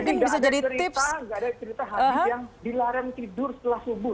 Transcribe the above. jadi nggak ada cerita habis yang dilarem tidur setelah subuh